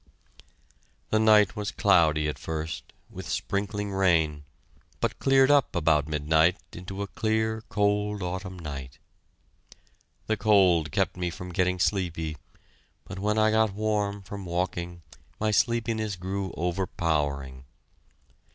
The night was cloudy at first, with sprinkling rain, but cleared up about midnight into a clear, cold autumn night. The cold kept me from getting sleepy, but when I got warm from walking my sleepiness grew overpowering.